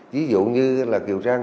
ví dụ như là kiều trang